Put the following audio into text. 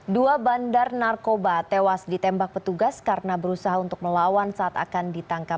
dua bandar narkoba tewas ditembak petugas karena berusaha untuk melawan saat akan ditangkap